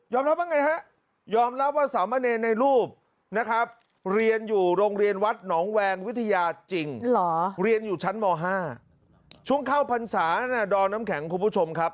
ยอมรับเป็นไงฮะยอมรับว่าสามะเนยในรูปนะครับ